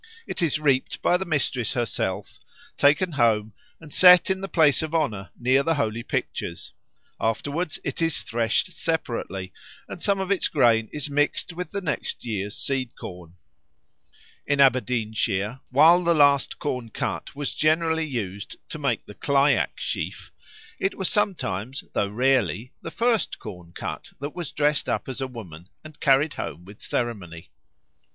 It is reaped by the mistress herself, taken home and set in the place of honour near the holy pictures; afterwards it is threshed separately, and some of its grain is mixed with the next year's seed corn. In Aberdeenshire, while the last corn cut was generally used to make the clyack sheaf, it was sometimes, though rarely, the first corn cut that was dressed up as a woman and carried home with ceremony.